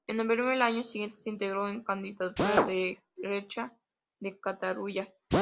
En noviembre del año siguiente se integró en la candidatura Derecha de Cataluña.